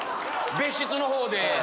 別室のほうで。